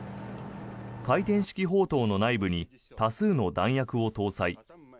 回転式砲塔の内部に多数の弾薬を搭載。